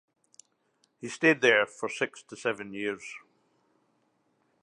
He stayed there for six to seven years.